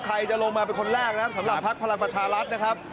ใครจะลงมาเป็นคนแรกสำหรับพลังประชารัฐ